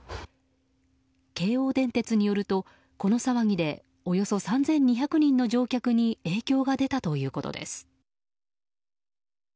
京王電鉄によると、この騒ぎでおよそ３２００人の乗客に影響が出たということです。